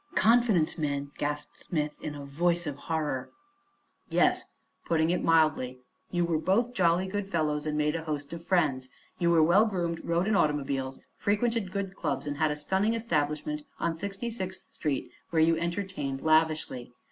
"Confidence men!" gasped Smith, in a voice of horror. "Yes, putting it mildly. You were both jolly good fellows and made a host of friends. You were well groomed, rode in automobiles, frequented good clubs and had a stunning establishment on Sixty sixth street where you entertained lavishly.